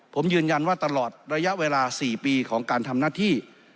ผมยืนยันว่าตลอดระยะเวลา๔ปีของการทำหน้าที่